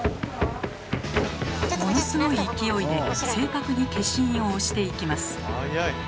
ものすごい勢いで正確に消印を押していきます。